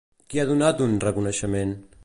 Qui ha donat un reconeixement?